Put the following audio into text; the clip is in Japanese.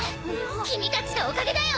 キミたちのおかげだよ！